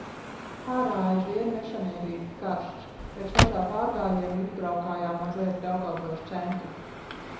Ārā aizvien nesamērīgi karsts. Pēc mazā pārgājiena izbraukājām mazliet Daugavpils centru.